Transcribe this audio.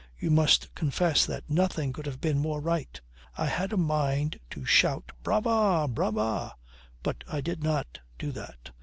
You must confess that nothing could have been more right. I had a mind to shout "Brava! Brava!" but I did not do that.